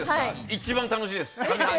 一番楽しいです。